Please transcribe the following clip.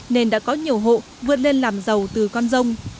nên đã có nhiều hộ vươn lên làm giàu từ con rông